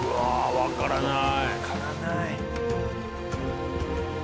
わからない。